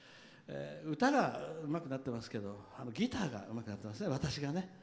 歌もうまくなってますけどギターがうまくなってますね私がね。